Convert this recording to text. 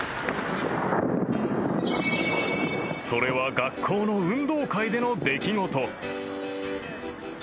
［それは学校の運動会での出来事］